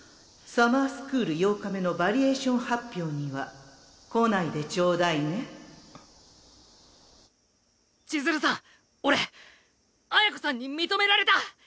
サマースクール８日目のヴァリエーション発表には来ないでちょうだいね千鶴さん俺綾子さんに認められた。